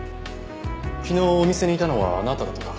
昨日お店にいたのはあなただとか。